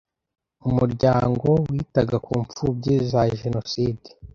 umuryango witaga ku mfubyi za Jenoside.